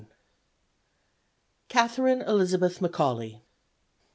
XII. CATHERINE ELIZABETH McAULEY.